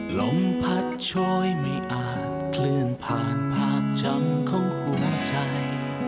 ลมพัดช้อยไม่อาจเคลื่อนผ่านภาพจำของหัวใจ